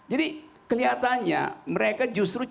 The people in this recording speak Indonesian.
jadi kelihatannya mereka justru cari suatu